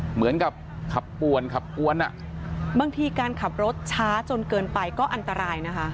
เหมือนกับขับป่วนขับกวนอ่ะบางทีการขับรถช้าจนเกินไปก็อันตรายนะคะ